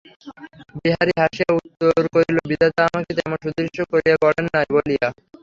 বিহারী হাসিয়া উত্তর করিল, বিধাতা আমাকে তেমন সুদৃশ্য করিয়া গড়েন নাই বলিয়া।